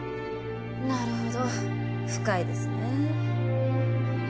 なるほど深いですねえ。